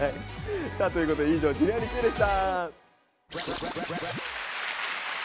さあということで以上「Ｊｒ．にＱ」でした。